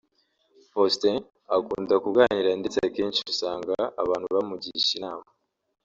Faustin akunda kuganira ndetse akenshi usanga abantu bamugisha inama